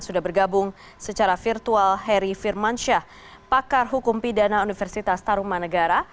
sudah bergabung secara virtual heri firmansyah pakar hukum pidana universitas taruman negara